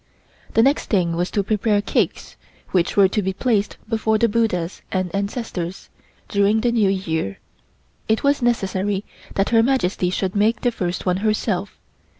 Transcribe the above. The next thing was to prepare cakes, which were to be placed before the Buddhas and ancestors, during the New Year. It was necessary that Her Majesty should make the first one herself.